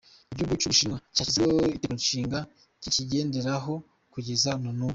Igihugu cy’u Bushinwa cyashyizeho itegekonshinga kikigenderaho kugeza n’ubu.